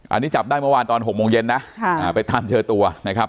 อันนี้จับได้เมื่อวานตอน๖โมงเย็นนะไปตามเจอตัวนะครับ